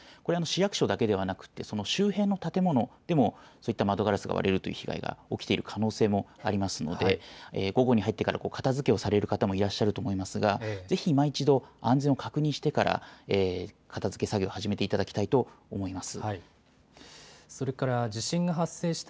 市役所だけではなく周辺の建物でもそういった窓ガラスが割れるという被害が起きている可能性もありますので午後に入ってから片づけをされる方もいらっしゃると思いますが、ぜひいま一度、安全を確認してから片づけ作業を始めていただきたいと思います。